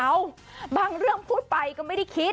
บางเรื่องพูดไปก็ไม่ได้คิด